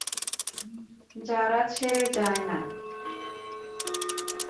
যারা ছেড়ে যায় না।